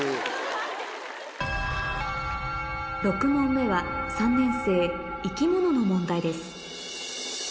６問目は３年生生き物の問題です